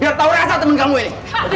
biar tau rasa temen kamu ini